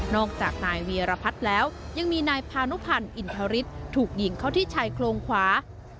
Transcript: จากนายเวียรพัฒน์แล้วยังมีนายพานุพันธ์อินทริสถูกยิงเข้าที่ชายโครงขวา